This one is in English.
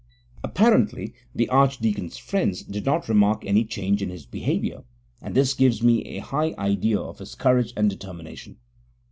Apparently the archdeacon's friends did not remark any change in his behaviour, and this gives me a high idea of his courage and determination.